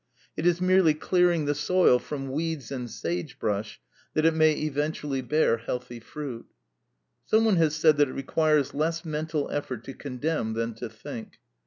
It is merely clearing the soil from weeds and sagebrush, that it may eventually bear healthy fruit. Someone has said that it requires less mental effort to condemn than to think.